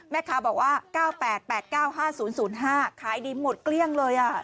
แม่ค้าบอกว่า๙๘๘๙๕๐๐๕ขายดีหมดเกลี้ยงเลย